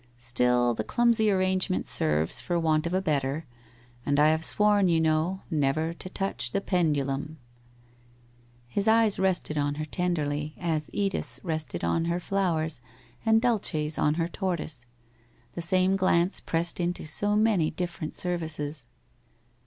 Still, the clumsy arrangement serves, for want of a better, and I have sworn, you know, never to touch the pendulum/ His eyes rested on her, tenderly, as Edith's rested on her flowers and Dulce's on her tortoise. The same glance, pressed into so many different services.